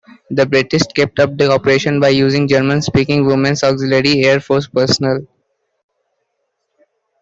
The British kept up the operation by using German-speaking Women's Auxiliary Air Force personnel.